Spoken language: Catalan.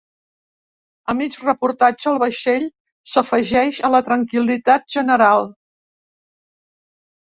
A mig reportatge, el vaixell s'afegeix a la tranquil·litat general.